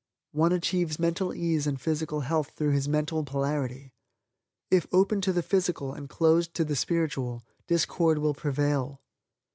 One achieves mental ease and physical health through his mental polarity. If open to the physical and closed to the spiritual, discord will prevail.